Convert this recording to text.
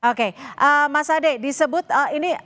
oke mas ade disebut ini